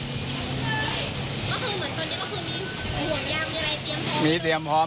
ก็คือเหมือนตอนนี้ก็คือมีห่วงยางมีอะไรเตรียมพอเลย